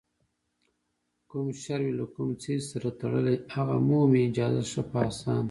کوم شر وي له کوم څیز سره تړلی، هغه مومي اجازت ښه په اسانه